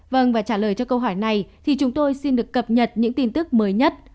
vâng và trả lời cho câu hỏi này thì chúng tôi xin được cập nhật những tin tức mới nhất